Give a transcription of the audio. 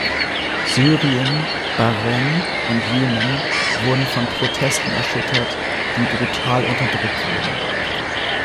Syrien, Bahrain und Jemen wurden von Protesten erschüttert, die brutal unterdrückt wurden.